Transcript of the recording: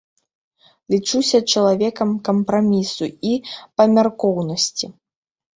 Лічыўся чалавекам кампрамісу і памяркоўнасці.